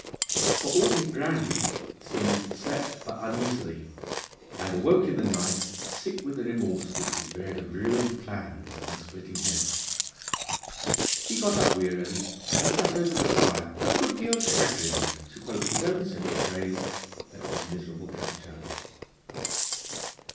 For all his brandy Simms slept but uneasily, and awoke in the night sick with the remorse which is bred of ruined plans and a splitting head. He got up wearily, and sat over the fire 'a good deal chagrined,' to quote his own simple phrase, at his miserable capture.